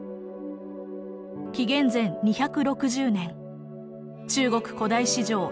紀元前２６０年中国古代史上